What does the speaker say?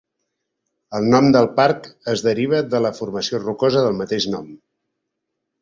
El nom del parc es deriva de la formació rocosa del mateix nom.